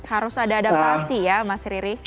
harus ada adaptasi ya mas riri